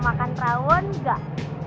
suka makan rawun gak